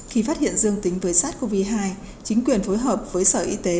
khi phát hiện dương tính với sars cov hai chính quyền phối hợp với sở y tế